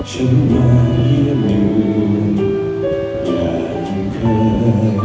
ฉันมาเหยียบหนึ่งอย่างเคย